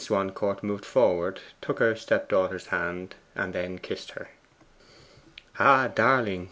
Swancourt moved forward, took her step daughter's hand, then kissed her. 'Ah, darling!